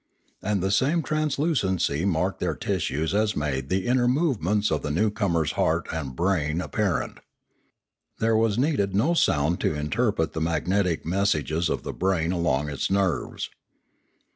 And the same translucency marked their tissues as made the inner movements of the newcomers' heart and brain apparent. There was needed no sound to interpret the magnetic messages of the brain along its nerves.